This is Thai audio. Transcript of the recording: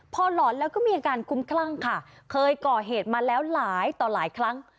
พอหลอนแล้วก็มีอาการคุ้มคลั่งค่ะเคยก่อเหตุมาแล้วหลายต่อหลายครั้ง